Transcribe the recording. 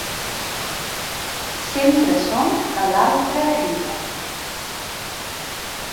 Sempre són a l'altra riba.